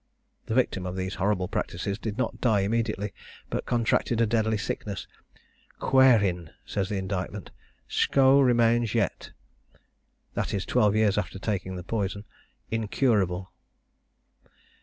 The victim of these horrible practices did not die immediately, but contracted a deadly sickness, "quhairin," says the indictment, "scho remains yet (that is twelve years after taking the poison) incurable."